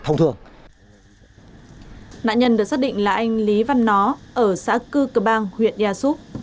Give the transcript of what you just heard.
nạn nhân được xác định là anh lý văn nó ở xã cư cơ bang huyện e soup